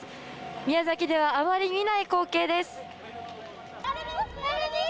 宮崎ではあまり見ない光景です。